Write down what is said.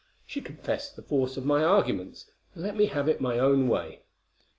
She confessed the force of my arguments, and let me have it my own way.